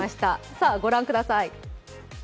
さあご覧ください。